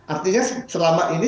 artinya selama ini